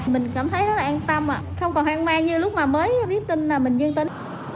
mình cảm thấy rất là an tâm không còn hoang mang như lúc mới biết tin là mình dân tin